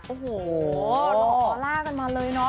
โอ้โหออลล่ากันมาเลยเนาะ